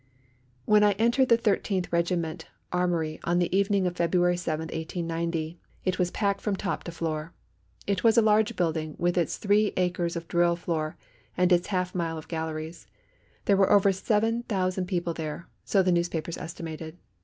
When I entered the Thirteenth Regiment Armoury on the evening of February 7, 1890, it was packed from top to floor. It was a large building with its three acres of drill floor and its half mile of galleries. There were over seven thousand people there, so the newspapers estimated.